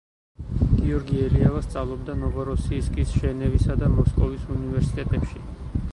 გიორგი ელიავა სწავლობდა ნოვოროსიისკის, ჟენევისა და მოსკოვის უნივერსიტეტებში.